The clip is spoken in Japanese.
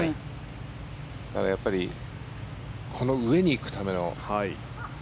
やっぱりこの上に行くための。